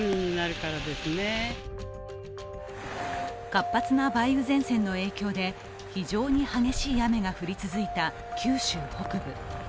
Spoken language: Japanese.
活発な梅雨前線の影響で非常に激しい雨が降り続いた九州北部。